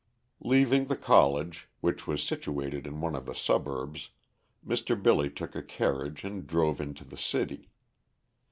Leaving the college, which was situated in one of the suburbs, Mr. Billy took a carriage and drove into the city.